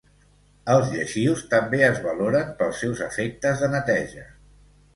Els lleixius també es valoren pels seus efectes de neteja.